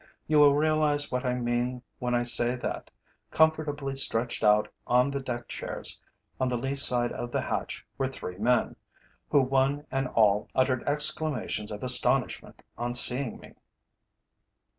You will realize what I mean when I say that, comfortably stretched out on deck chairs on the lee side of the hatch were three men, who one and all uttered exclamations of astonishment on seeing me.